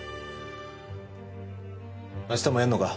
明日もやるのか？